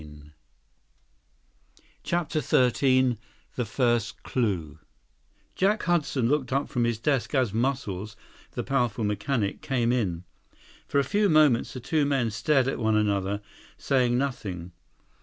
101 CHAPTER XIII The First Clue Jack Hudson looked up from his desk as Muscles, the powerful mechanic, came in. For a few moments the two men stared at one another, saying nothing.